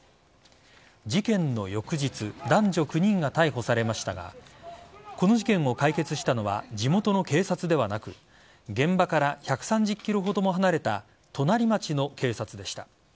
事件の翌日男女９人が逮捕されましたがこの事件を解決したのは地元の警察ではなく現場から１３０ｋｍほども離れた隣町の警察でした。